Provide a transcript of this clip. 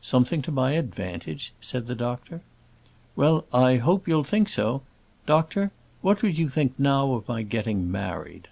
"Something to my advantage?" said the doctor. "Well, I hope you'll think so. Doctor, what would you think now of my getting married?"